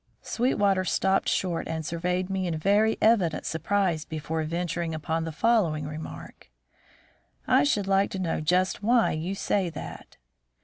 Sweetwater stopped short and surveyed me in very evident surprise before venturing upon the following remark: "I should like to know just why you say that?"